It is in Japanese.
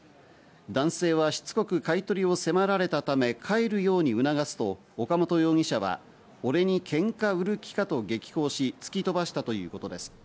男性はしつこく買取りを迫られたため帰るように促すと岡本容疑者は俺にケンカ売る気かと激高し、突き飛ばしたということです。